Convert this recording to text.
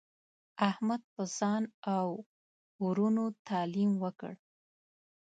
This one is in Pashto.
احمد په ځان او ورونو تعلیم وکړ.